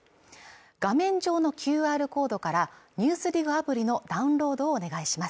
画面上のＱＲコードから「ＮＥＷＳＤＩＧ」アプリのダウンロードをお願いします